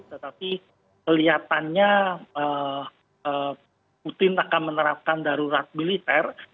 tetapi kelihatannya putin akan menerapkan darurat militer